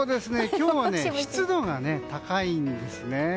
今日はね、湿度が高いんですね。